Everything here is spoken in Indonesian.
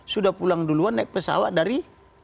sudah pulang duluan naik pesawat dari